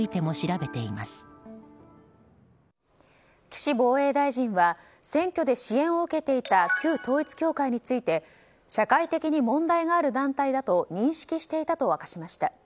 岸防衛大臣は選挙で支援を受けていた旧統一教会について社会的に問題のある団体だと認識していたと明かしました。